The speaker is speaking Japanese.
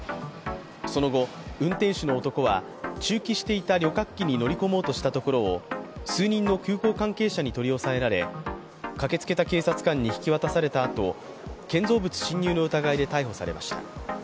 その後、運転手の男は駐機していた旅客機に乗り込もうとしたところが数人の空港関係者に取り押さえられ駆けつけた警察官に引き渡された後、建造物侵入の疑いで逮捕されたました。